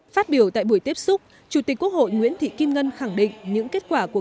phát biểu tại buổi tiếp xúc chủ tịch quốc hội nguyễn thị kim ngân khẳng định những kết quả của